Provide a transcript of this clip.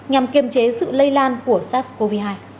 dịch bệnh lây lan của sars cov hai